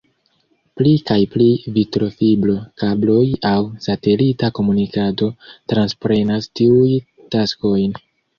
Pli kaj pli vitrofibro-kabloj aŭ satelita komunikado transprenas tiuj taskojn.